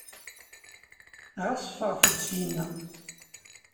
Ɣas ffɣet-d seg-inna.